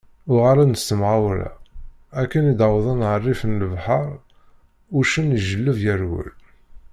Uγalen-d s temγawla, akken i d-wwḍen γer rrif n lebḥeṛ, uccen ijelleb yerwel.